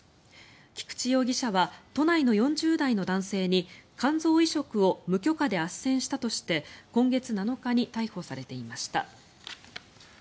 菊池容疑者は都内の４０代の男性に肝臓移植を無許可であっせんしたとして今月７日に逮捕されていました。